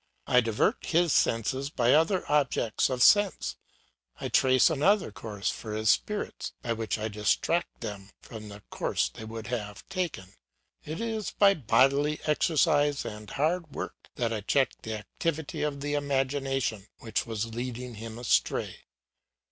I divert his senses by other objects of sense; I trace another course for his spirits by which I distract them from the course they would have taken; it is by bodily exercise and hard work that I check the activity of the imagination, which was leading him astray.